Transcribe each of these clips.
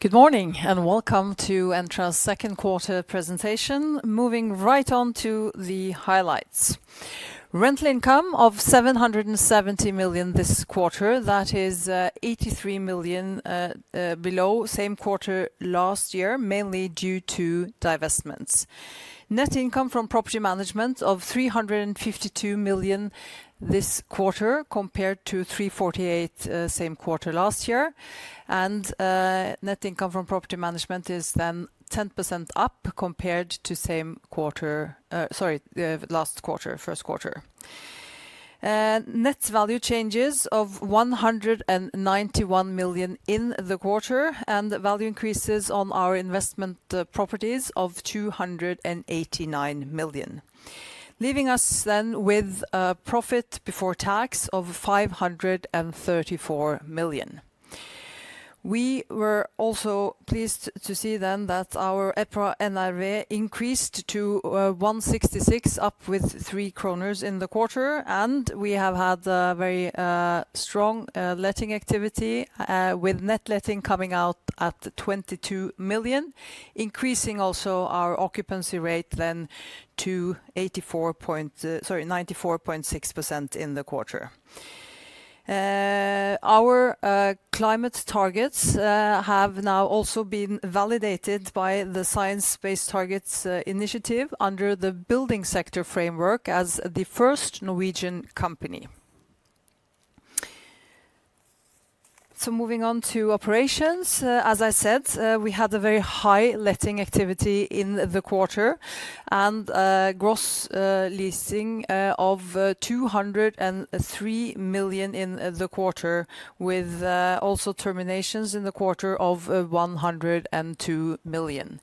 Good morning, and welcome to Entra's second quarter presentation. Moving right on to the highlights. Rental income of $770,000,000 this quarter, that is $83,000,000 below same quarter last year, mainly due to divestments. Net income from property management of $352,000,000 this quarter compared to $348,000,000 same quarter last year. And net income from property management is then 10% up compared to same quarter sorry, last quarter, first quarter. Net value changes of $191,000,000 in the quarter and value increases on our investment properties of $289,000,000 leaving us then with a profit before tax of $534,000,000 We were also pleased to see then that our EPRA NAV increased to 1.66, up with 3 kronor in the quarter. And we have had a very strong letting activity with net letting coming out at 22,000,000, increasing also our occupancy rate then to 84 sorry, 94.6% in the quarter. Our climate targets have now also been validated by the science based targets initiative under the building sector framework as the first Norwegian company. So moving on to operations. As I said, we had a very high letting activity in the quarter and gross leasing of $2.00 $3,000,000 in the quarter with also terminations in the quarter of 102,000,000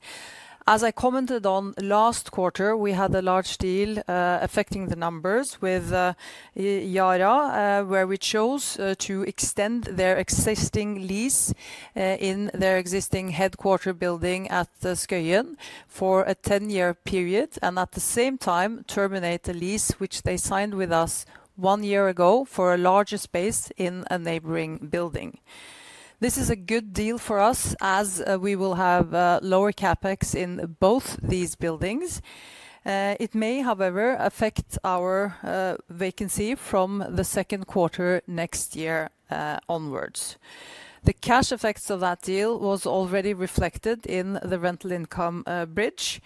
As I commented on last quarter, we had a large deal affecting the numbers with Jara, where we chose to extend their existing lease in their existing headquarter building at Skagen for a ten year period and at the same time, terminate a lease, which they signed with us one year ago for a larger space in a neighboring building. This is a good deal for us as we will have lower CapEx in both these buildings. It may, however, affect our vacancy from the second quarter next year onwards. The cash effects of that deal was already reflected in the rental income bridge.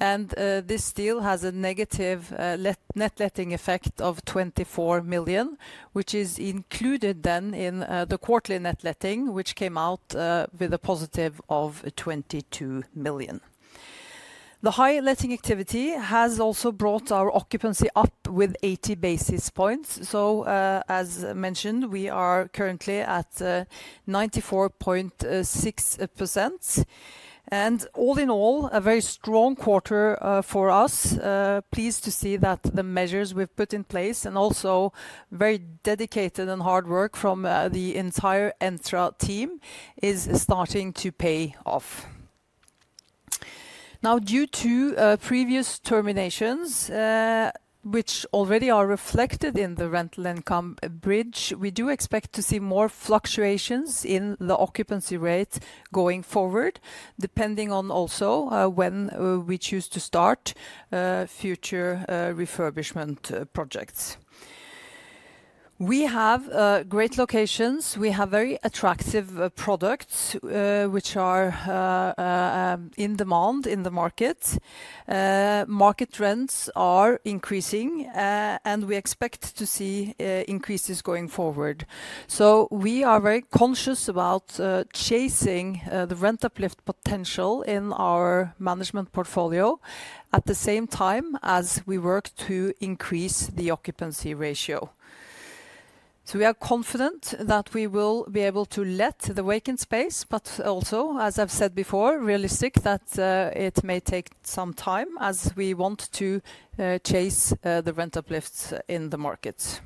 And this deal has a negative net letting effect of $24,000,000 which is included then in the quarterly net letting, which came out with a positive of 22,000,000 The high letting activity has also brought our occupancy up with 80 basis points. So as mentioned, we are currently at 94.6%. And all in all, a very strong quarter for us. Pleased to see that the measures we've put in place and also very dedicated and hard work from the entire Entra team is starting to pay off. Now due to previous terminations, which already are reflected in the rental income bridge, we do expect to see more fluctuations in the occupancy rate going forward, depending on also when we choose to start future refurbishment projects. We have great locations. We have very attractive products, which are in demand in the market. Market trends are increasing, and we expect to see increases going forward. So we are very conscious about chasing the rent uplift potential in our management portfolio at the same time as we work to increase the occupancy ratio. So we are confident that we will be able to let the vacant space, but also, as I've said before, realistic that it may take some time as we want to chase the rent uplifts in the markets.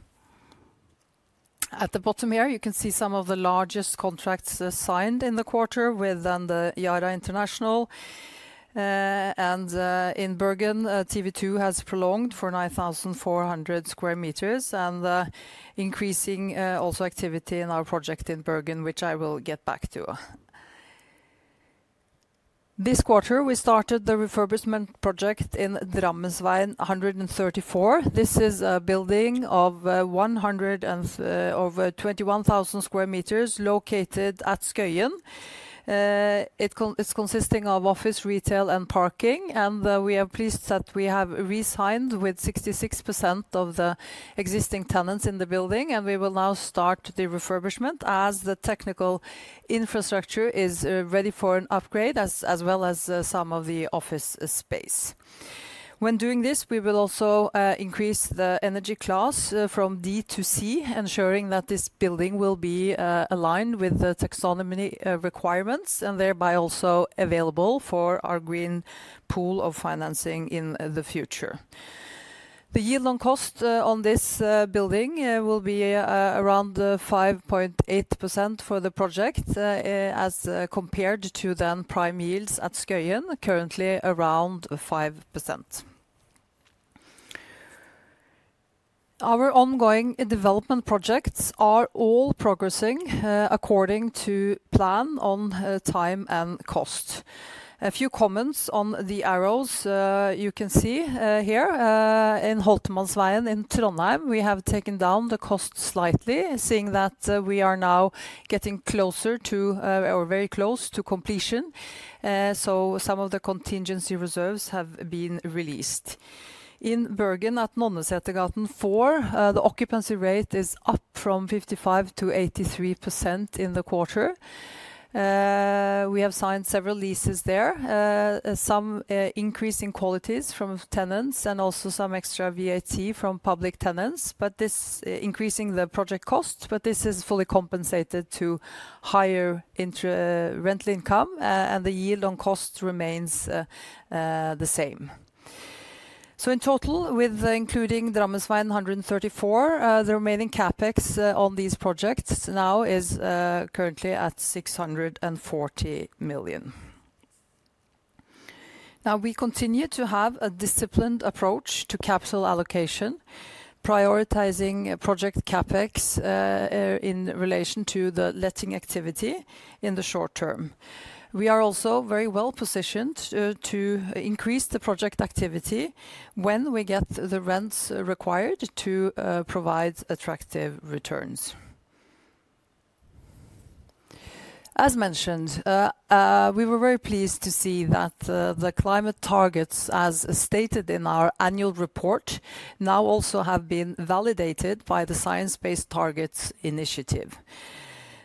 At the bottom here, you can see some of the largest contracts signed in the quarter with the Jara International. And in Bergen, TV2 has prolonged for 9,400 square meters and increasing also activity in our project in Bergen, which I will get back to. This quarter, we started the refurbishment project in Drammeswein 134. This is a building of 121,000 square meters located at Skagen. It's consisting of office, retail and parking. And we are pleased that we have resigned with 66% of the existing tenants in the building, and we will now start the refurbishment as the technical infrastructure is ready for an upgrade as well as some of the office space. When doing this, we will also increase the energy class from D to C, ensuring that this building will be aligned with the taxonomy requirements and thereby also available for our green pool of financing in the future. The yield on cost on this building will be around 5.8% for the project as compared to then prime yields at Skagen, currently around 5%. Our ongoing development projects are all progressing according to plan on time and cost. A few comments on the arrows. You can see here in Hothermanswein in Trondheim, we have taken down the cost slightly, seeing that we are now getting closer to or very close to completion. So some of the contingency reserves have been released. In Bergen, at Nondesertigarten 4, the occupancy rate is up from 55% to 83 in the quarter. We have signed several leases there, some increasing qualities from tenants and also some extra VAT from public tenants, but this increasing the project costs, but this is fully compensated to higher rental income and the yield on cost remains the same. So in total, with including Drammeswein $134,000,000 the remaining CapEx on these projects now is currently at $640,000,000 Now we continue to have a disciplined approach to capital allocation, prioritizing project CapEx in relation to the letting activity in the short term. We are also very well positioned to increase the project activity when we get the rents required to provide attractive returns. As mentioned, we were very pleased to see that the climate targets, as stated in our annual report, now also have been validated by the Science Based Targets Initiative.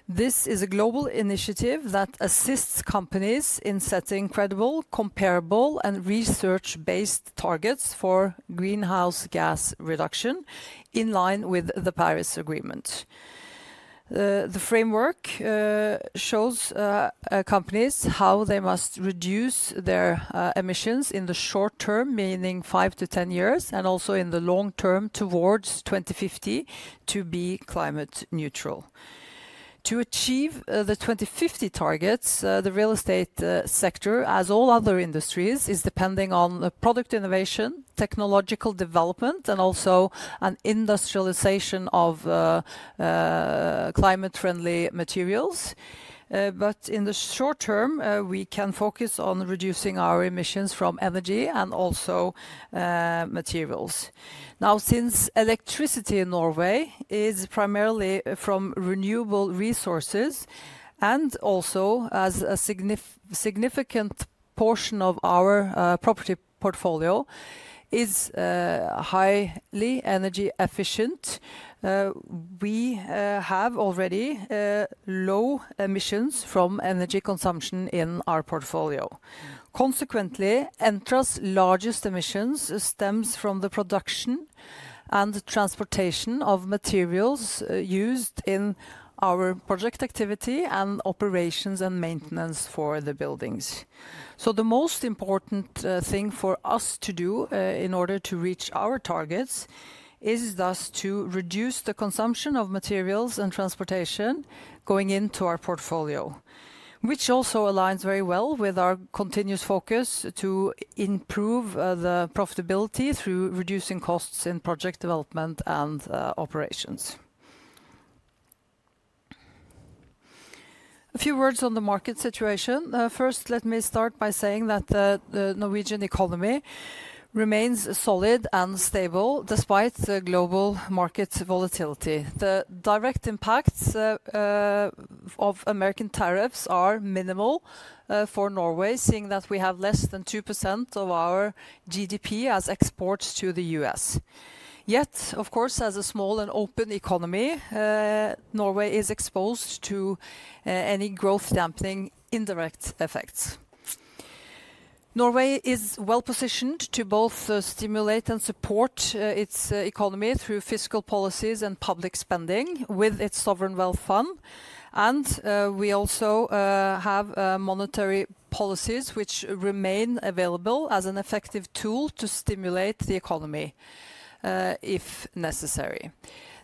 This is a global initiative that assists companies in setting credible, comparable and research based targets for greenhouse gas reduction, in line with the Paris Agreement. The framework shows companies how they must reduce their emissions in the short term, meaning five to ten years, and also in the long term towards two thousand and fifty to be climate neutral. To achieve the 2050 targets, the real estate sector, as all other industries, is depending on product innovation, technological development and also an industrialization of climate friendly materials. But in the short term, we can focus on reducing our emissions from energy and also materials. Now since electricity in Norway is primarily from renewable resources and also as a significant portion of our property portfolio is highly energy efficient, we have already low emissions from energy consumption in our portfolio. Consequently, Entra's largest emissions stems from the production and the transportation of materials used in our project activity and operations and maintenance for the buildings. So the most important thing for us to do in order to reach our targets is thus to reduce the consumption of materials and transportation going into our portfolio, which also aligns very well with our continuous focus to improve the profitability through reducing costs in project development and operations. A few words on the market situation. First, let me start by saying that the Norwegian economy remains solid and stable despite global market volatility. The direct impacts of American tariffs are minimal for Norway, seeing that we have less than 2% of our GDP as exports to The U. S. Yet, of course, as a small and open economy, Norway is exposed to any growth dampening indirect effects. Norway is well positioned to both stimulate and support its economy through fiscal policies and public spending with its sovereign wealth fund. And we also have monetary policies, which remain available as an effective tool to stimulate the economy if necessary.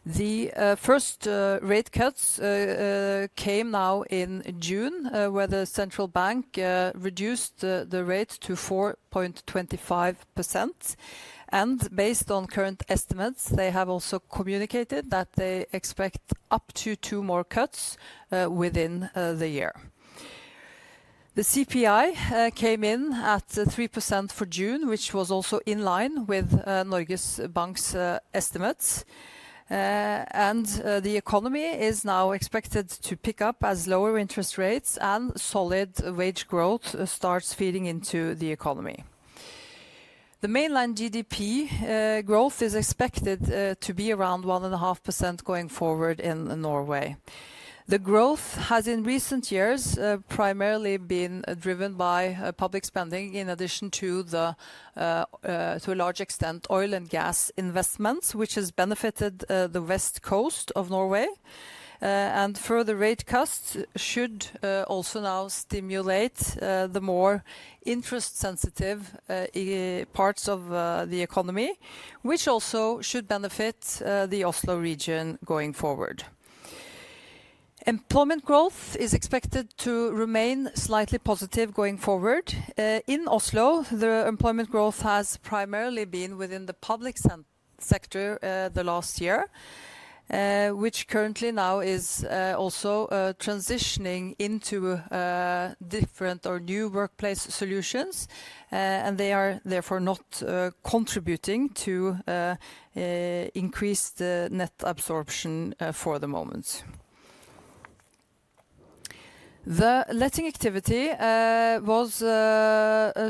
The first rate cuts came now in June, where the Central Bank reduced the rate to 4.25%. And based on current estimates, they have also communicated that they expect up to two more cuts within the year. The CPI came in at 3% for June, which was also in line with Neugesbank's estimates. And the economy is now expected to pick up as lower interest rates and solid wage growth starts feeding into the economy. The mainland GDP growth is expected to be around 1.5% going forward in Norway. The growth has, in recent years, primarily been driven by public spending in addition to the to a large extent, oil and gas investments, which has benefited the West Coast Of Norway. And further rate cuts should also now stimulate the more interest sensitive parts of the economy, which also should benefit the Oslo region going forward. Employment growth is expected to remain slightly positive going forward. In Oslo, the employment growth has primarily been within the public sector the last year, which currently now is also transitioning into different or new workplace solutions. And they are, therefore, not contributing to increased net absorption for the moment. The letting activity was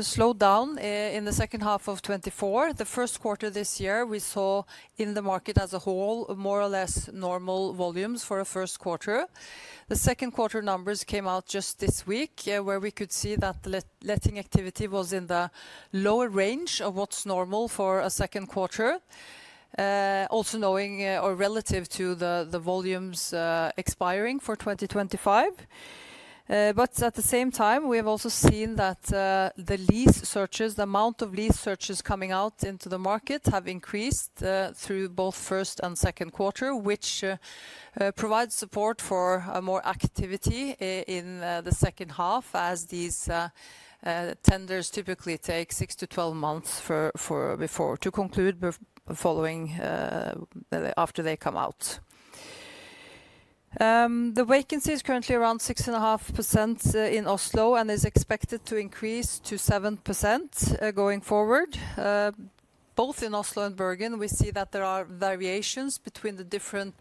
slowed down in the second half of twenty twenty four. The first quarter this year, we saw in the market as a whole more or less normal volumes for the first quarter. The second quarter numbers came out just this week, where we could see that letting activity was in the lower range of what's normal for a second quarter, also knowing or relative to the volumes expiring for 2025. But at the same time, we have also seen that the lease searches the amount of lease searches coming out into the market have increased through both first and second quarter, which provides support for more activity in the second half as these tenders typically take six to twelve months before to conclude following after they come out. The vacancy is currently around 6.5% in Oslo and is expected to increase to 7% going forward. Both in Oslo and Bergen, we see that there are variations between the different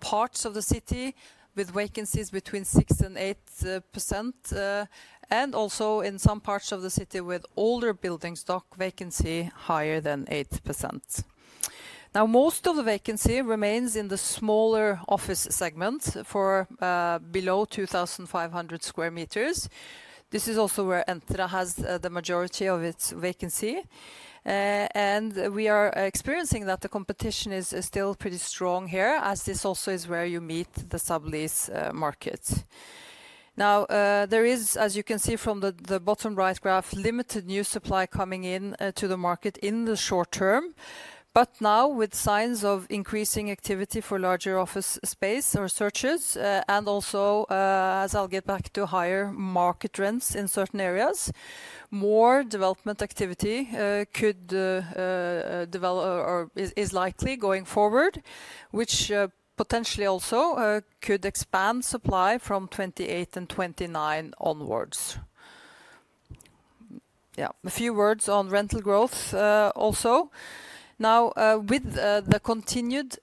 parts of the city with vacancies between 68%. And also in some parts of the city with older building stock, vacancy higher than 8%. Now most of the vacancy remains in the smaller office segment for below 2,500 square meters. This is also where Entra has the majority of its vacancy. And we are experiencing that the competition is still pretty strong here as this also is where you meet the sublease market. Now there is, as you can see from the bottom right graph, limited limited new supply coming into the market in the short term. But now with signs of increasing activity for larger office space or searches and also, as I'll get back to higher market trends in certain areas, more development activity could develop or is likely going forward, which potentially also could expand supply from 'twenty eight and 'twenty nine onwards. Yes, a few words on rental growth also. Now with the continued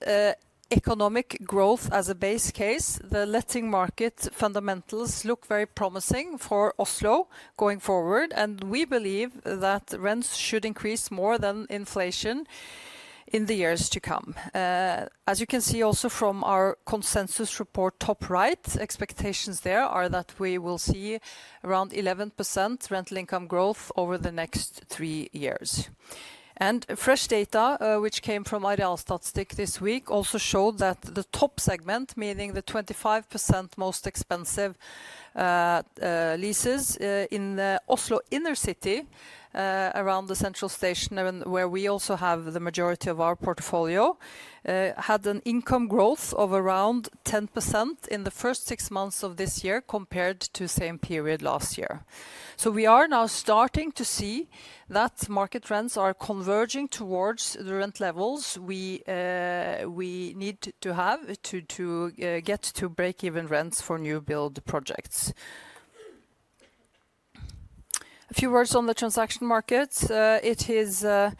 economic growth as a base case, the letting market fundamentals look very promising for Oslo going forward, and we believe that rents should increase more than inflation in the years to come. As you can see also from our consensus report top right, expectations there are that we will see around 11% rental income growth over the next three years. And fresh data, which came from Idealstat stick this week, also showed that the top segment, meaning the 25% most expensive leases in Oslo Inner city, around the central station, where we also have the majority of our portfolio, had an income growth months of this year compared to the same period last year. So we are now starting to see that market trends are converging towards the rent levels we need to have to get to breakeven rents for newbuild projects. A few words on the transaction markets. It is the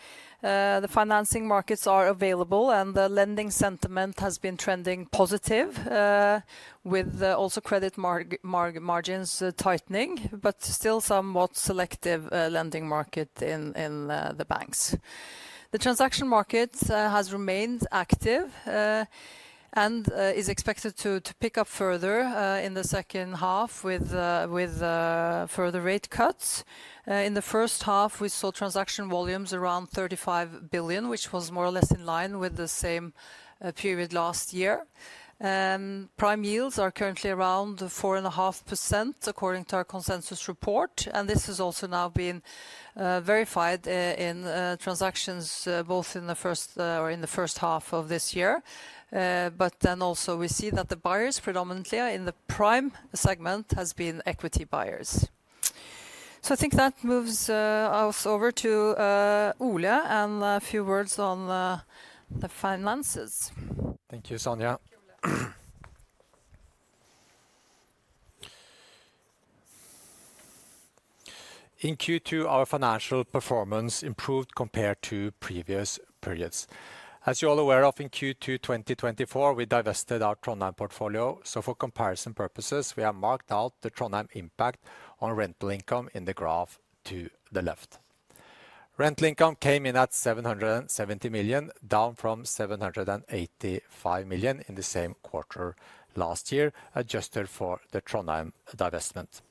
financing markets are available and the lending sentiment has been trending positive with also credit margins tightening, but still somewhat selective lending market in the banks. The transaction market has remained active and is expected to pick up further in the second half with further rate cuts. In the first half, we saw transaction volumes around $35,000,000,000 which was more or less in line with the same period last year. Prime yields are currently around 4.5 according to our consensus report. And this has also now been verified in transactions both in the first half of this year. But then also, we see that the buyers predominantly are in the prime segment has been equity buyers. So I think that moves us over to Ulle and a few words on the finances. Thank you, Sonia. In Q2, our financial performance improved compared to previous periods. As you're all aware of, in Q2 twenty twenty four, we divested our Trondheim portfolio. So for comparison purposes, we have marked out the Trondheim impact on rental income in the graph to the left. Rental income came in at $770,000,000, down from $785,000,000 in the same quarter last year, adjusted for the Trondheim divestment.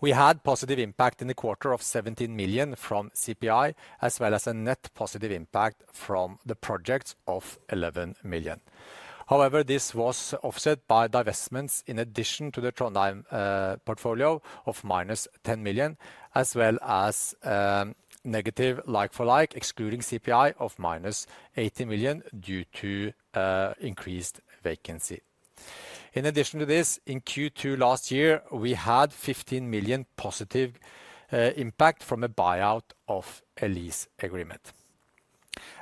We had positive impact in the quarter of $17,000,000 from CPI as well as a net positive impact from the projects of $11,000,000 However, this was offset by divestments in addition to the Trondheim portfolio of minus $10,000,000 as well as negative like for like, excluding CPI, of minus 80,000,000 due to increased vacancy. In addition to this, in Q2 last year, we had 15,000,000 positive impact from a buyout of a lease agreement.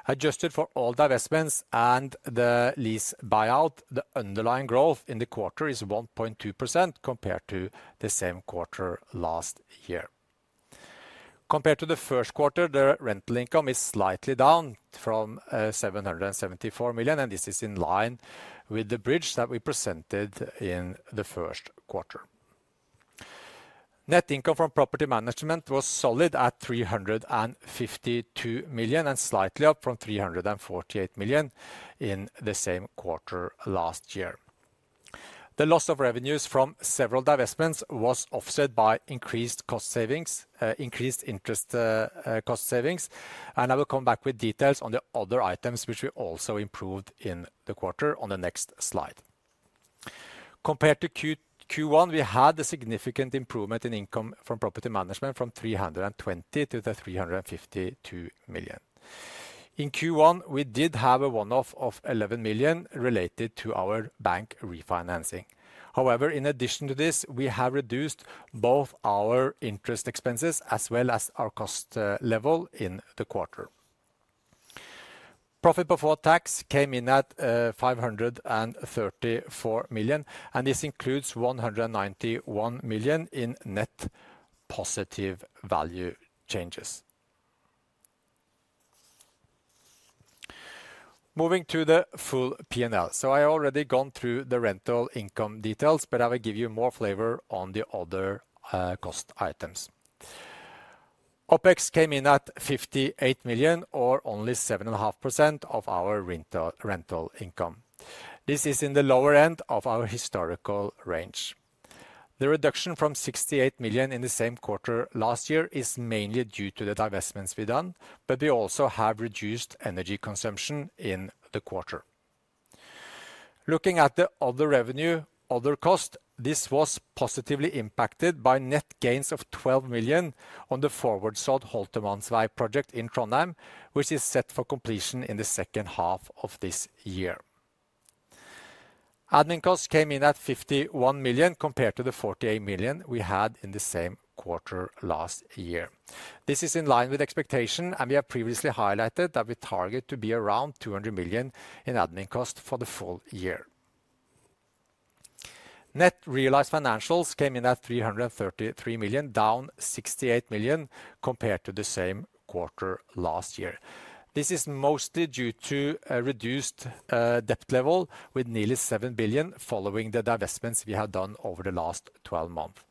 Adjusted for all divestments and the lease buyout, the underlying growth in the quarter is 1.2% compared to the same quarter last year. Compared to the first quarter, the rental income is slightly down from $774,000,000, and this is in line with the bridge that we presented in the first quarter. Net income from property management was solid at $352,000,000 and slightly up from SEK $348,000,000 in the same quarter last year. The loss of revenues from several divestments was offset by increased cost savings increased interest cost savings, and I will come back with details on the other items, which we also improved in the quarter on the next slide. Compared to Q1, we had a significant improvement in income from property management from NOK $320,000,000 to NOK $352,000,000. In Q1, we did have a one off of 11,000,000 related to our bank refinancing. However, in addition to this, we have reduced both our interest expenses as well as our cost level in the quarter. Profit before tax came in at $534,000,000, and this includes 191,000,000 in net positive value changes. Moving to the full P and L. So I already gone through the rental income details, but I will give you more flavor on the other cost items. OpEx came in at $8,000,000 or only 7.5% of our rental income. This is in the lower end of our historical range. The reduction from 68,000,000 in the same quarter last year is mainly due to the divestments we've done, but we also have reduced energy consumption in the quarter. Looking at the other revenue, other costs, this was positively impacted by net gains of 12,000,000 on the forward salt Holtermanslav project in Trondheim, which is set for completion in the second half of this year. Admin costs came in at $51,000,000 compared to the $48,000,000 we had in the same quarter last year. This is in line with expectation, and we have previously highlighted that we target to be around $200,000,000 in admin costs for the full year. Net realized financials came in at SEK $333,000,000, down 68,000,000 compared to the same quarter last year. This is mostly due to a reduced debt level with nearly 7,000,000,000 following the divestments we have done over the last twelve months.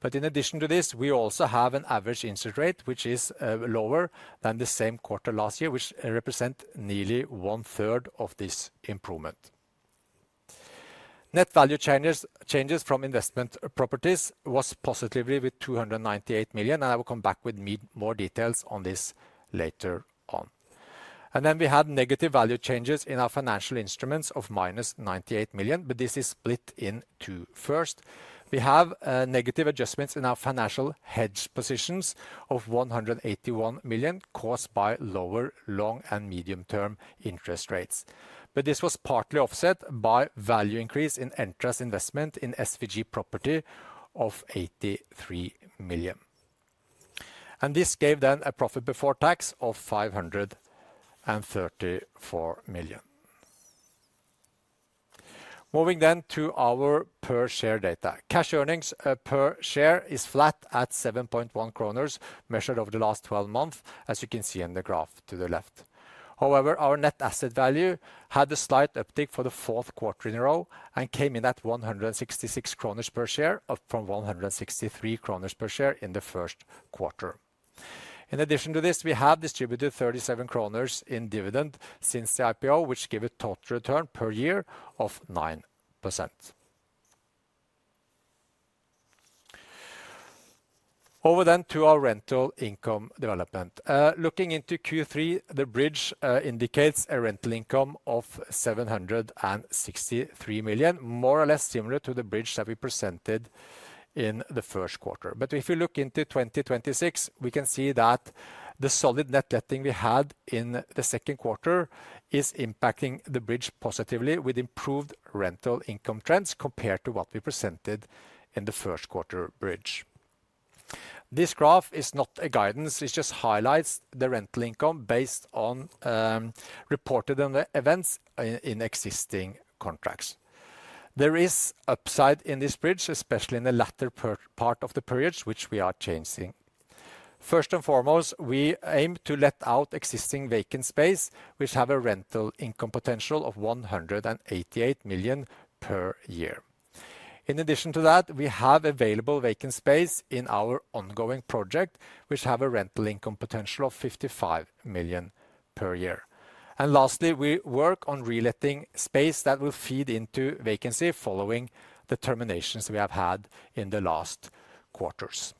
But in addition to this, we also have an average interest rate, which is lower than the same quarter last year, which represent nearly onethree of this improvement. Net value changes from investment properties was positively with $298,000,000, and I will come back with more details on this later on. And then we had negative value changes in our financial instruments of minus 98,000,000, but this is split in two. First, we have negative adjustments in our financial hedge positions of 181,000,000 caused by lower long- and medium term interest rates. But this was partly offset by value increase in interest investment in SVG property of 83,000,000. And this gave then a profit before tax of NOK $534,000,000. Moving then to our per share data. Cash earnings per share is flat at 7.1 kroner measured over the last twelve months, as you can see in the graph to the left. However, our net asset value had a slight uptick for the fourth quarter in a row and came in at 166 kronor per share, up from 163 kronor per share in the first quarter. In addition to this, we have distributed 37 kroner in dividend since the IPO, which give a total return per year of 9%. Over then to our rental income development. Looking into Q3, the bridge indicates a rental income of $763,000,000, more or less similar to the bridge that we presented in the first quarter. But if you look into 2026, we can see that the solid net letting we had in the second quarter is impacting the bridge positively with improved rental income trends compared to what we presented in the first quarter bridge. This graph is not a guidance. It just highlights the rental income based on reported events in existing contracts. There is upside in this bridge, especially in the latter part of the periods, which we are changing. First and foremost, we aim to let out existing vacant space, which have a rental income potential of 188,000,000 per year. In addition to that, we have available vacant space in our ongoing project, which have a rental income potential of $55,000,000 per year. And lastly, we work on re letting space that will feed into vacancy following the terminations we have had in the last quarters.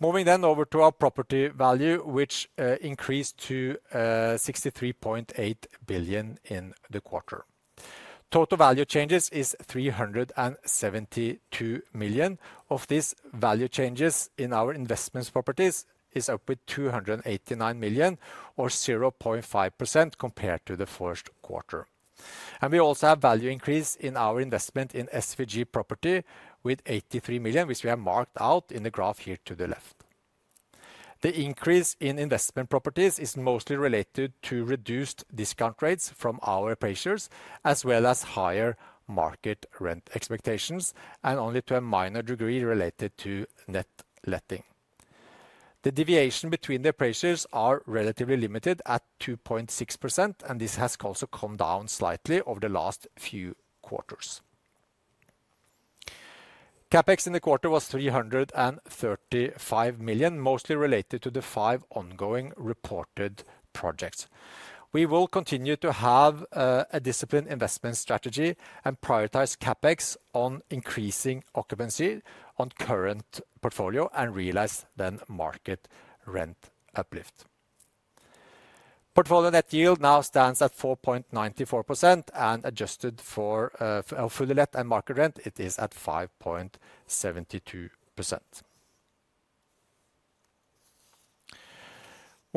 Moving then over to our property value, which increased to 63,800,000,000.0 in the quarter. Total value changes is NOK $372,000,000. Of these, value changes in our investments properties is up with SEK $289,000,000 or 0.5% compared to the first quarter. And we also have value increase in our investment in SVG property with 83,000,000, which we have marked out in the graph here to the left. The increase in investment properties is mostly related to reduced discount rates from our appraisers as well as higher market rent expectations and only to a minor degree related to net letting. The deviation between the appraisals are relatively limited at 2.6%, and this has also come down slightly over the last few quarters. CapEx in the quarter was $335,000,000, mostly related to the five ongoing reported projects. We will continue to have a disciplined investment strategy and prioritize CapEx on increasing occupancy on current portfolio and realize then market rent uplift. Portfolio net yield now stands at 4.94% and adjusted for fully net and market rent, it is at 5.72%.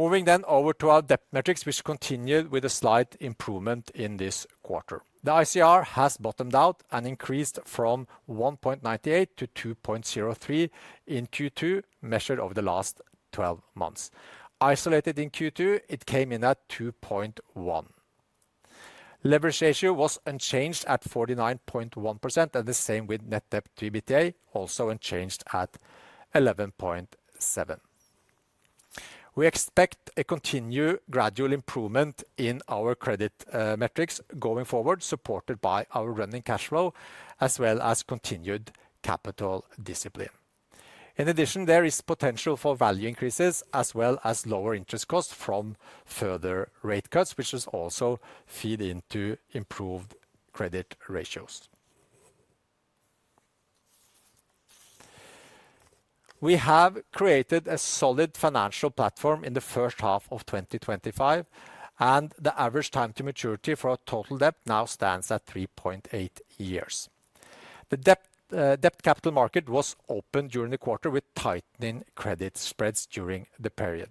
Moving then over to our debt metrics, which continued with a slight improvement in this quarter. The ICR has bottomed out and increased from 1.98% to 2.03 in Q2 measured over the last twelve months. Isolated in Q2, it came in at 2.1. Leverage ratio was unchanged at 49.1% and the same with net debt to EBITDA, also unchanged at 11.7%. We expect a continued gradual improvement in our credit metrics going forward, supported by our running cash flow as well as continued capital discipline. In addition, there is potential for value increases as well as lower interest costs from further rate cuts, which has also feed into improved credit ratios. We have created a solid financial platform in the first half of twenty twenty five, and the average time to maturity for our total debt now stands at three point eight years. The debt capital market was open during the quarter with tightening credit spreads during the period.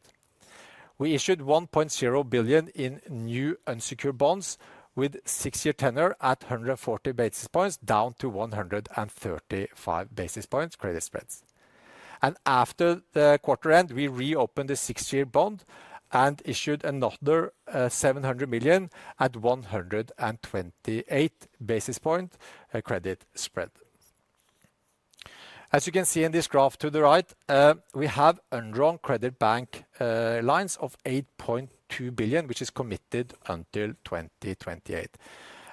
We issued 1,000,000,000 in new unsecured bonds with six year tenure at 140 basis points, down to 135 basis points credit spreads. And after the quarter end, we reopened the six year bond and issued another 700,000,000 at 128 basis point credit spread. As you can see in this graph to the right, we have undrawn credit bank lines of 8,200,000,000.0, which is committed until 2028.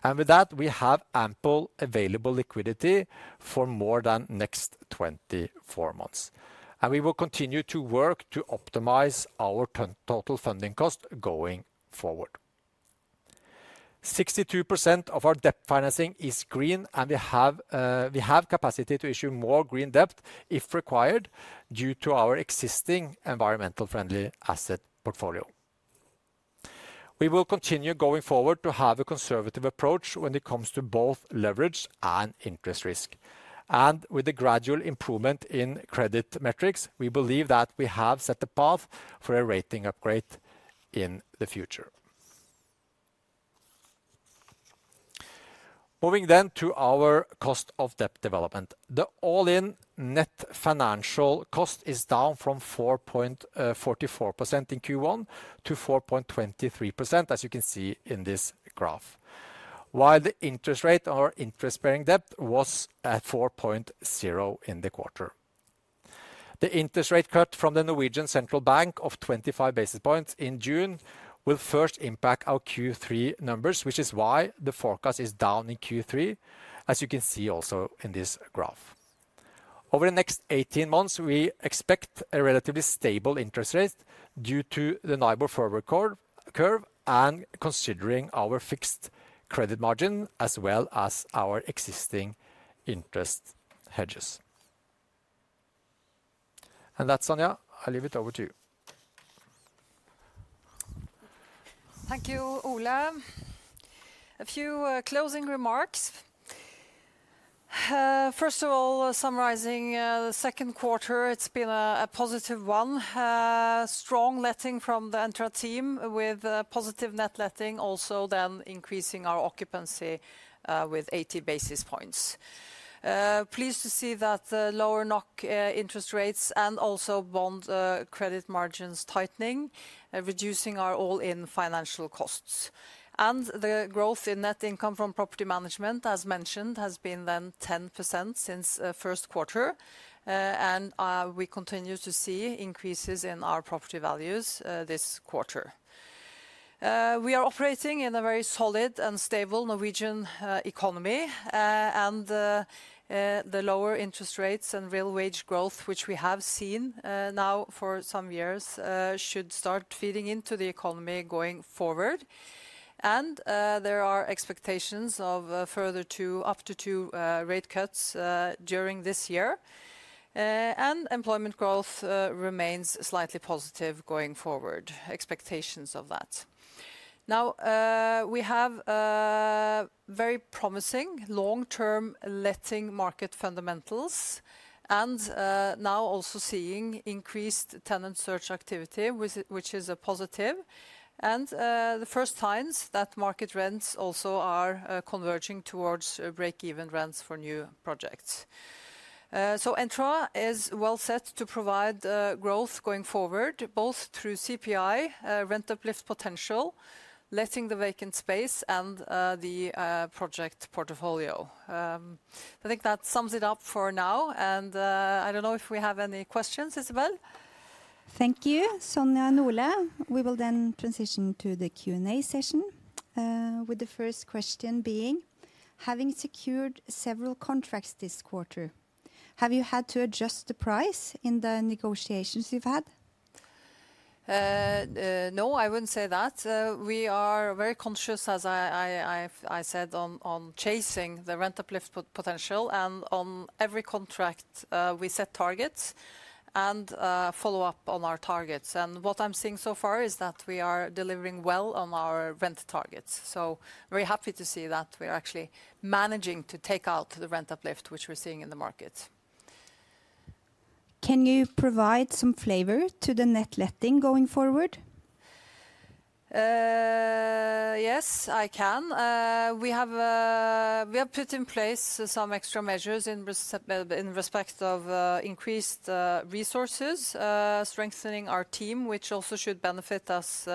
And with that, we have ample available liquidity for more than next twenty four months. And we will continue to work to optimize our total funding cost going forward. 62% of our debt financing is green, and we have capacity to issue more green debt, if required, due to our existing environmental friendly asset portfolio. We will continue going forward to have a conservative approach when it comes to both leverage and interest risk. And with the gradual improvement in credit metrics, we believe that we have set the path for a rating upgrade in the future. Moving then to our cost of debt development. The all in net financial cost is down from 4.44 percent in Q1 to 4.23%, as you can see in this graph, while the interest rate or interest bearing debt was at four point zero in the quarter. The interest rate cut from the Norwegian Central Bank of 25 basis points in June will first impact our Q3 numbers, which is why the forecast is down in Q3, as you can see also in this graph. Over the next eighteen months, we expect a relatively stable interest rate due to the NIBOR forward curve and considering our fixed credit margin as well as our existing interest hedges. And that, Sonia, I leave it over to you. Thank you, Ola. A few closing remarks. First of all, summarizing the second quarter, it's been a positive one, strong letting from the Entra team with positive net letting also then increasing our occupancy with 80 basis points. Pleased to see that lower NOK interest rates and also bond credit margins tightening, reducing our all in financial costs. And the growth in net income from property management, as mentioned, has been then 10% since first quarter, and we continue to see increases in our property values this quarter. We are operating in a very solid and stable Norwegian economy and the lower interest rates and real wage growth, which we have seen now for some years, should start feeding into the economy going forward. And there are expectations of further two up to two rate cuts during this year. And employment growth remains slightly positive going forward, expectations of that. Now we have very promising long term letting market fundamentals and now also seeing increased tenant search activity, which is a positive. And the first signs that market rents also are converging towards breakeven rents for new projects. So Entra is well set to provide growth going forward, both through CPI, rent uplift potential, letting the vacant space and the project portfolio. I think that sums it up for now. And I don't know if we have any questions, Isabel? Thank you, Sonia and Olle. We will then transition to the Q and A session, with the first question being having secured several contracts this quarter, have you had to adjust the price in the negotiations you've had? No, I wouldn't say that. We are very conscious, as I said, on chasing the rent uplift potential. And on every contract, we set targets and follow-up on our targets. And what I'm seeing so far is that we are delivering well on our rent targets. So very happy to see that we are actually managing to take out the rent uplift, which we're seeing in the market. Can you provide some flavor to the net letting going forward? Yes, I can. We have put in place some extra measures in respect of increased resources, strengthening our team, which also should benefit us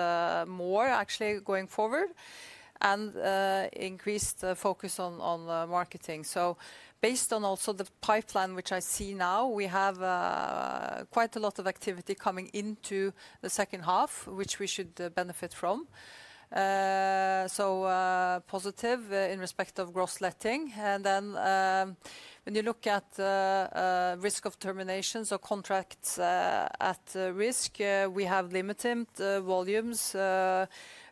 more actually going forward and increased focus on marketing. So based on also the pipeline, which I see now, we have quite a lot of activity coming into the second half, which we should benefit from. So positive in respect of gross letting. And then when you look at risk of terminations or contracts at risk, we have limited volumes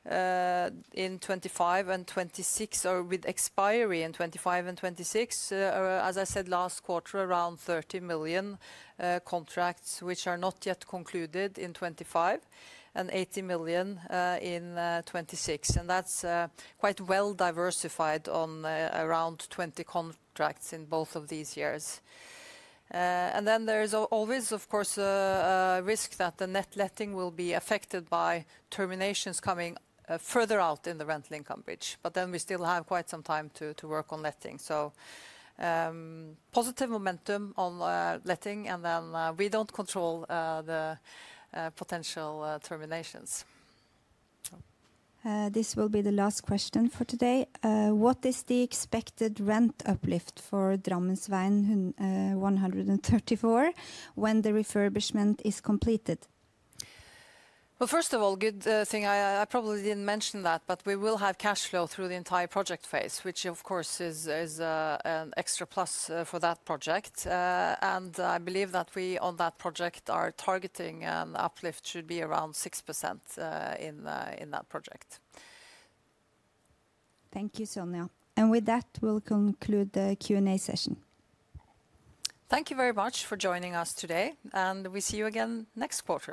in 2025 and 2026 or with expiry in 2025 and 2026, as I said last quarter, around 30,000,000 contracts, which are not yet concluded in 2025 and 80,000,000 in 2026. And that's quite well diversified on around 20 contracts in both of these years. And then there is always of course a risk that the net letting will be affected by terminations coming further out in the rental income bridge. But then we still have quite some time to work on letting. So positive momentum on letting and then we don't control the potential terminations. This will be the last question for today. What is the expected rent uplift for Drammeswein 134 when the refurbishment is completed? Well, first of all, good thing, I probably didn't mention that, but we will have cash flow through the entire project phase, which of course is an extra plus for that project. And I believe that we, on that project, are targeting an uplift should be around 6% in that project. Thank you, Sonia. And with that, we'll conclude the Q and A session. Thank you very much for joining us today, and we see you again next quarter.